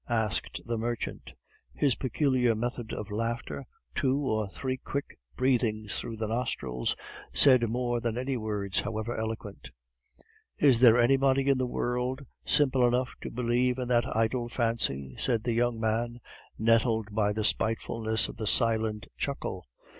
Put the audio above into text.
asked the merchant. His peculiar method of laughter, two or three quick breathings through the nostrils, said more than any words however eloquent. "Is there anybody in the world simple enough to believe in that idle fancy?" said the young man, nettled by the spitefulness of the silent chuckle.